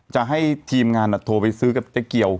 จะให้ทีมงานโทรไปซื้อกับเจ๊เกียว